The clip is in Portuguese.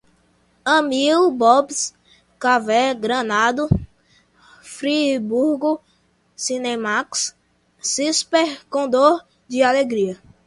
Amil, Bob's, Cavé, Granado, Friburgo, Cinemaxx, Cisper, Condor, D'Alegria